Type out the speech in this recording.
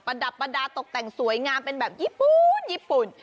ระดับประดาษตกแต่งสวยงามเป็นแบบญี่ปุ่นญี่ปุ่น